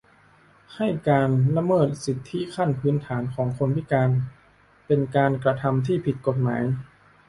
ให้ การละเมิดสิทธิขั้นพื้นฐานของคนพิการ เป็นการกระทำที่ผิดกฎหมาย